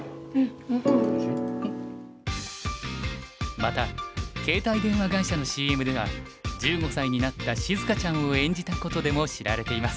また携帯電話会社のＣＭでは１５才になったしずかちゃんを演じたことでも知られています。